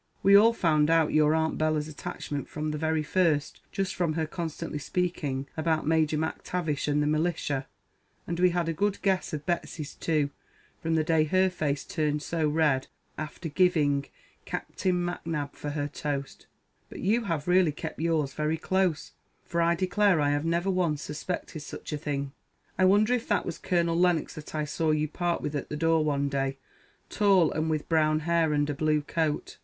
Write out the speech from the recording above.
We all found out your Aunt Bella's attachment from the very first, just from her constantly speaking about Major M'Tavish and the militia; and we had a good guess of Betsy's too, from the day her face turned so red after giving Captain M'Nab for her toast; but you have really kept yours very close, for I declare I never once suspected such a thing. I wonder if that was Colonel Lennox that I saw you part with at the door one day tall, and with brown hair, and a bluecoat.